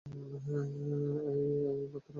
অ্যাই, এইমাত্র কী করলে তুমি?